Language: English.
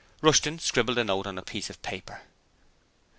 Rushton scribbled a note on a piece of paper.